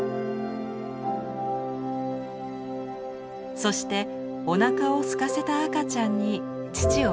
そしておなかをすかせた赤ちゃんに乳を与えます。